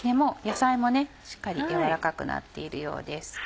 野菜もしっかり軟らかくなっているようです。